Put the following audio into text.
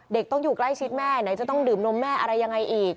ต้องอยู่ใกล้ชิดแม่ไหนจะต้องดื่มนมแม่อะไรยังไงอีก